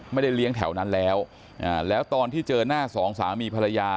เลี้ยงแถวนั้นแล้วแล้วตอนที่เจอหน้าสองสามีภรรยา